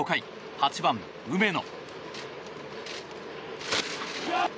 ８番、梅野。